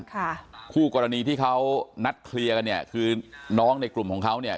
คู่กรณีที่เขานัดเคลียร์กันเนี่ยคือน้องในกลุ่มของเขาเนี่ย